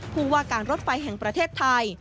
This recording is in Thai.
ผู้ว่าการรถไฟแห่งประเทศไทย